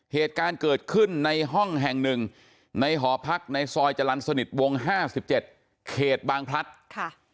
เหตุการณ์เกิดขึ้นในห้องแห่งหนึ่งในหอพักในซอยจรรย์สนิทวงห้าสิบเจ็ดเขตบางพลัดค่ะ